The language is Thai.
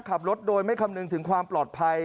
ขับรถโดยไม่คำนึงถึงความปลอดภัย